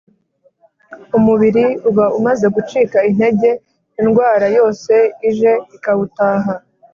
umubiri uba umaze gucika intege indwara yose ije ikawutaha,